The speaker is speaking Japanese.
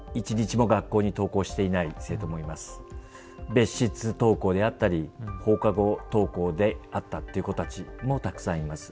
別室登校であったり放課後登校であったっていう子たちもたくさんいます。